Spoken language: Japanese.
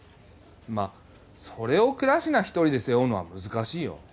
まあそれを倉科一人で背負うのは難しいよ